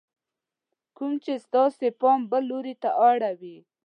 کوم چې ستاسې پام بل لور ته اړوي :